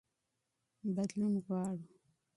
بدلون غواړو.